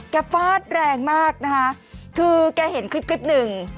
ฟาดแรงมากนะคะคือแกเห็นคลิปคลิปหนึ่ง